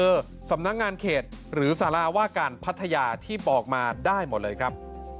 สำนักงานเขตหรือสาราว่าการพัทยาที่บอกมาได้หมดเลยครับ